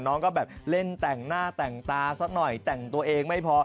น้องก็แบบเล่นแต่งหน้าแต่งตาสักหน่อยแต่งตัวเองไม่พอ